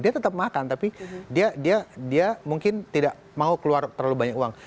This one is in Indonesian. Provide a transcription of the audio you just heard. dia tetap makan tapi dia mungkin tidak mau keluar terlalu banyak uang